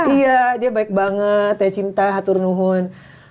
iya dia baik banget teh cinta haturnuhun